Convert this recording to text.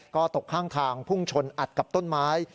ก็ตกข้างทางพุ่งชนอัดกับต้นไม้